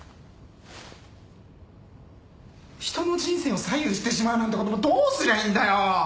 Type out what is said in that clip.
人の人生を左右してしまうなんてことどうすりゃいいんだよ。